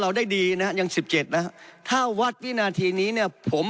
ได้ดีนะฮะยังสิบเจ็ดนะฮะถ้าวัดวินาทีนี้เนี่ยผม